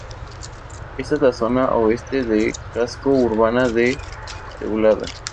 Está en la zona oeste de casco urbano de Teulada.